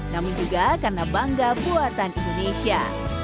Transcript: namun juga karena bangga buatan indonesia